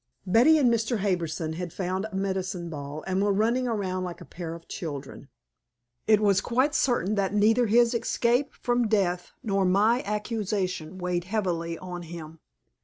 Betty and Mr. Harbison had found a medicine ball, and were running around like a pair of children. It was quite certain that neither his escape from death nor my accusation weighed heavily on him.